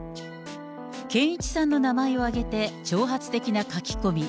健一さんの名前を挙げて、挑発的な書き込み。